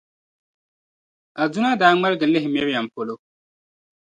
Aduna daa ŋmaligi lihi Miriam polo.